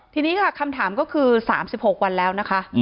ทีนี้ค่ะคำถามก็คือ๓๖วันแล้วนะคะ